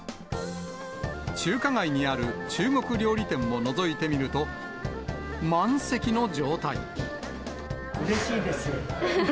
中華街にある中国料理店をのぞいてみると、満席の状態。